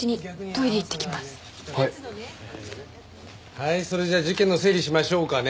はいそれじゃあ事件の整理しましょうかね。